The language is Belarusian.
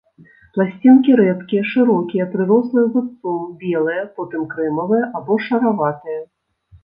Пласцінкі рэдкія, шырокія, прырослыя зубцом, белыя, потым крэмавыя або шараватыя.